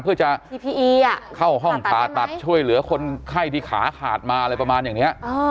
เพื่อจะเข้าห้องผ่าตัดช่วยเหลือคนไข้ที่ขาขาดมาอะไรประมาณอย่างนี้